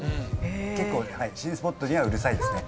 結構新スポットにはうるさいですね。